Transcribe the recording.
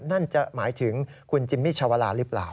นั่นจะหมายถึงคุณจิมมี่ชาวลาหรือเปล่า